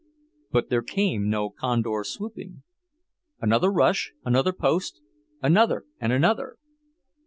But there came no Condor swooping. Another rush another post another and another!